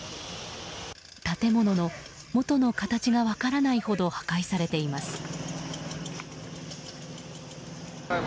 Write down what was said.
建物の元の形が分からないほど破壊されています。